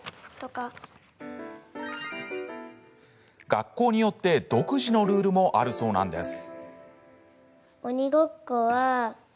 学校によって独自のルールもあるそうなんです。